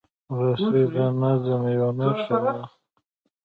رسۍ د نظم یوه نښه ده.